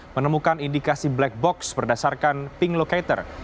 menemukan indikasi black box berdasarkan ping locator